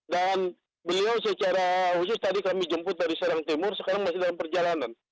beliau secara khusus tadi kami jemput dari serang timur sekarang masih dalam perjalanan